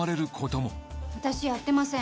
私やってません。